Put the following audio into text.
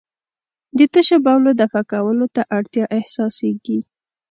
د تشو بولو دفع کولو ته اړتیا احساسېږي.